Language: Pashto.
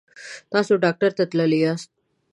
تاسو ډاکټر ته تللي یاست؟